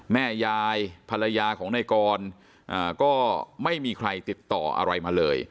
แม่ยายภรรยาของนายกรก็ไม่มีใครติดต่ออะไรมาเลย